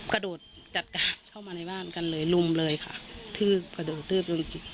กระโดดกัดกราบเข้ามาในบ้านกันเลยรุมเลยค่ะทืบ